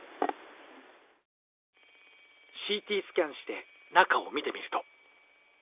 ＣＴスキャンして中を見てみると。